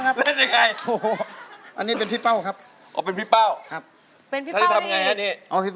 น่าจะเป็นลูกครึ่งพี่เทียรี่ด้วย